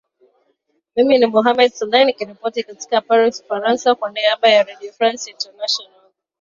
mimi ni mohamed saleh nikiripoti kutoka paris ufaransa kwa niamba ya redio france international